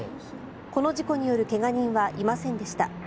この事故による怪我人はいませんでした。